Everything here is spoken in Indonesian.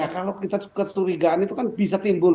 kalau kita kecurigaan itu kan bisa timbul